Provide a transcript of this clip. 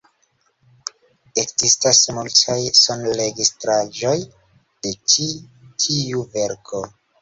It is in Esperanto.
Ekzistas multaj sonregistraĵoj de ĉi tiu verko.